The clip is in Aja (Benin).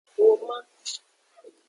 Woman.